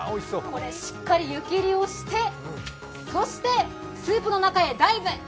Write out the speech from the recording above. しっかり湯切りをして、そしてスープの中へダイブ。